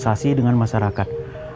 untuk sosialisasi dengan masyarakat